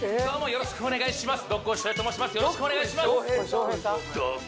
よろしくお願いします。